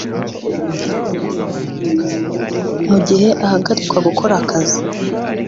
mugihe ahagarikwa gukora akazi